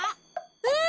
うん！